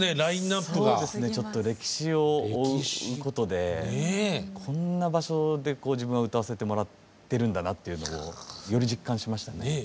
ちょっと歴史を追うことでこんな場所で自分が歌わせてもらってるんだなっていうのをより実感しましたね。